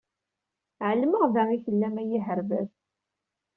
Ɛelmeɣ da i tellam ay iherbab!